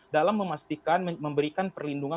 dalam memastikan memberikan perlindungan